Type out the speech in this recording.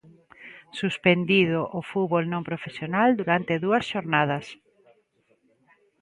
Suspendido o fútbol non profesional durante dúas xornadas.